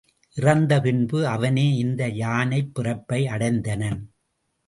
இறந்த பின்பு அவனே இந்த யானைப் பிறப்பை அடைந்தனன்.